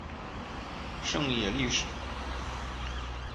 胜野莉世。